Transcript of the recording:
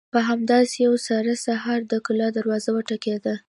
په همداسې يوه ساړه سهار د کلا دروازه وټکېده.